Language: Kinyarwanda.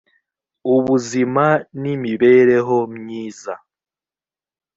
ubuzima n imibereho myiza